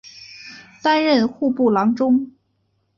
担任户部郎中。